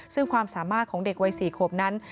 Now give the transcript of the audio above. ซึ่งความสามารถของเด็กวัย๔ขวบนั้น